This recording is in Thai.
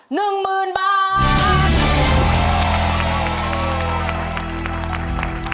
๑หมื่นบาท